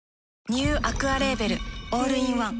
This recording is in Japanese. ニューアクアレーベルオールインワン